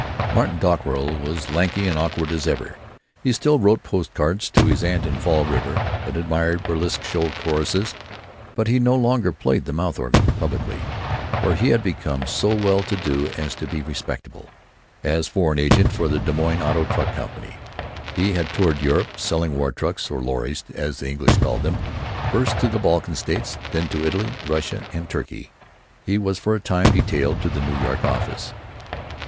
Martin Dockerill was lanky and awkward as ever, he still wrote post cards to his aunt in Fall River, and admired burlesque show choruses, but he no longer played the mouth organ (publicly), for he had become so well to do as to be respectable. As foreign agent for the Des Moines Auto Truck Company he had toured Europe, selling war trucks, or lorries, as the English called them, first to the Balkan States, then to Italy, Russia, and Turkey. He was for a time detailed to the New York office.